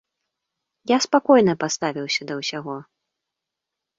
Я спакойна паставіўся да ўсяго.